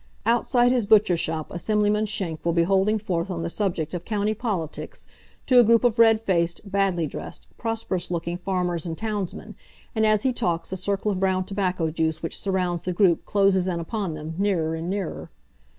Outside his butcher shop Assemblyman Schenck will be holding forth on the subject of county politics to a group of red faced, badly dressed, prosperous looking farmers and townsmen, and as he talks the circle of brown tobacco juice which surrounds the group closes in upon them, nearer and nearer.